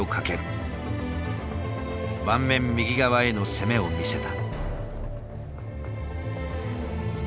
盤面右側への攻めを見せた。